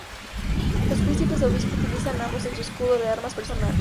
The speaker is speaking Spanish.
Los Príncipes-Obispos utilizan ambos en su escudo de armas personal.